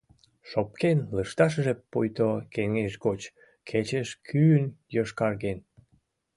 Шопкен лышташыже пуйто кеҥеж гоч кечеш кӱын йошкарген.